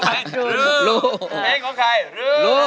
เพลงของใครรู้